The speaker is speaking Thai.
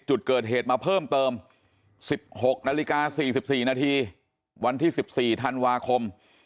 จุดเกิดเหตุมาเพิ่มเติม๑๖นาฬิกา๔๔นาทีวันที่๑๔ธันวาคม